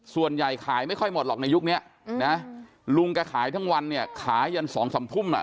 ขายไม่ค่อยหมดหรอกในยุคนี้นะลุงแกขายทั้งวันเนี่ยขายยันสองสามทุ่มอ่ะ